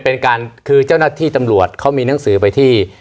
เป็นการคือเจ้าหน้าที่ตำรวจเขามีหนังสือไปที่